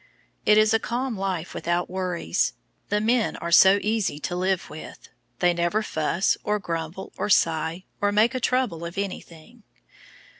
It is a calm life without worries. The men are so easy to live with; they never fuss, or grumble, or sigh, or make a trouble of anything.